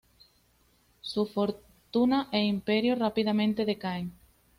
Su fortuna e imperio rápidamente decaen.